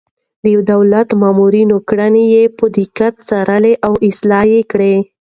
د دولتي مامورينو کړنې يې په دقت څارلې او اصلاح يې کړې.